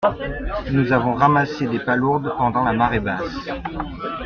Nous avons ramassé des palourdes pendant la marée basse.